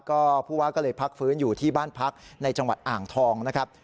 ก็ผู้ว่าก็เลยพักฟื้นอยู่ที่บ้านพักในจังหวัดอ่างทองนะครับ